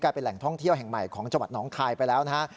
เป็นแหล่งท่องเที่ยวแห่งใหม่ของจังหวัดน้องคายไปแล้วนะฮะ